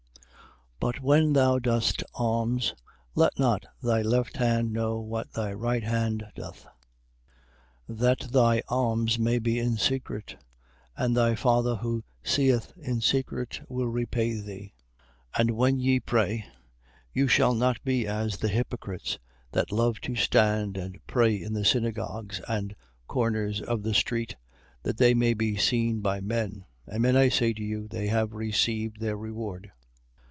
6:3. But when thou dost alms, let not thy left hand know what thy right hand doth. 6:4. That thy alms may be in secret, and thy Father who seeth in secret will repay thee. 6:5. And when ye pray, you shall not be as the hypocrites, that love to stand and pray in the synagogues and corners of the streets, that they may be seen by men: Amen I say to you, they have received their reward.